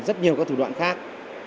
rất nhiều các thủ đoạn khác